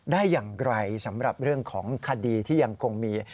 ได้อย่างไรสำหรับเรื่องของคดีที่ยังคงมี